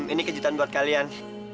ini kejutan buat kalian